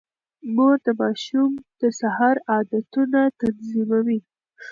مور د ماشوم د سهار عادتونه تنظيموي.